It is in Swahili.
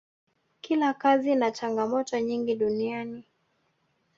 kila kazi ina changamoto nyingi duniani